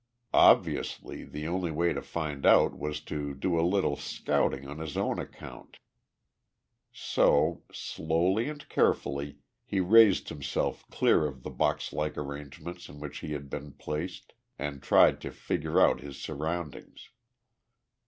Obviously, the only way to find this out was to do a little scouting on his own account, so, slowly and carefully, he raised himself clear of the boxlike arrangement in which he had been placed and tried to figure out his surroundings.